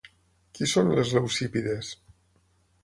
Qui són les Leucípides?